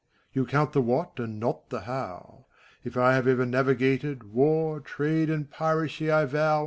You count the What, and not the How: If I have ever navigated. War, Trade and Piracy, I vow.